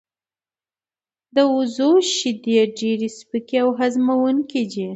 د وزو شیدې ډیر سپکې او هضمېدونکې دي.